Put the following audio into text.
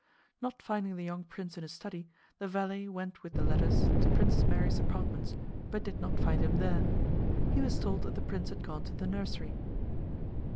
Not finding the young prince in his study the valet went with the letters to Princess Mary's apartments, but did not find him there. He was told that the prince had gone to the nursery.